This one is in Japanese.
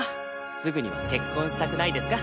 すぐには結婚したくないですか？